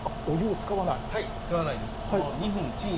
はい、使わないです。